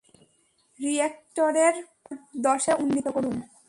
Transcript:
রিয়েক্টরের power দশে উন্নীত করুন।